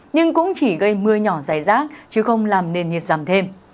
nhưng cũng chỉ gây mưa nhỏ dài rác chứ không làm nền nhiệt giảm thêm